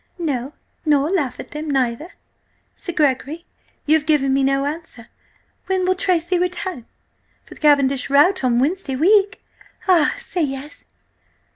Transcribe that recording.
No, nor laugh at them neither! Sir Gregory, you have given me no answer. When will Tracy return? For the Cavendish rout on Wednesday week? Ah, say yes!"